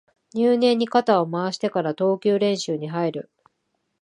入念に肩を回してから投球練習に入る